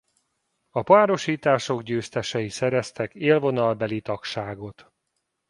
A párosítások győztesei szereztek élvonalbeli tagságot.